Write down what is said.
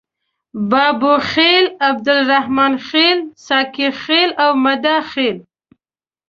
بابوخیل، عبدالرحمن خیل، ساقي خیل او مده خیل.